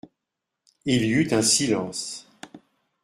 Il y eut un silence.